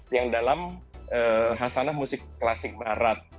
yang dalam hasanah musik klasik barat